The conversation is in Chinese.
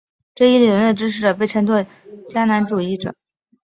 这一理论的支持者被称作迦南主义者。